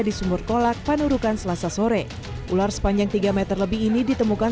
di sumur kolak panurukan selasa sore ular sepanjang tiga meter lebih ini ditemukan